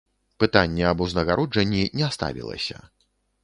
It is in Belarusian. Пытанне аб узнагароджанні не ставілася.